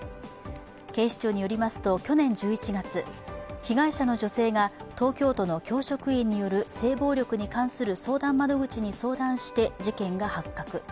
警視庁によりますと去年１１月、被害者の女性が東京都の教職員による性暴力に関する相談窓口に相談して事件が発覚。